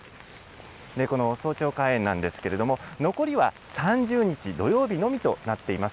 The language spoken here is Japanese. この早朝開園なんですけれども、残りは３０日土曜日のみとなっています。